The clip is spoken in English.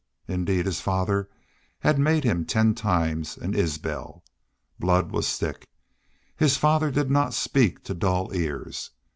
Indeed, his father had made him ten times an Isbel. Blood was thick. His father did not speak to dull ears.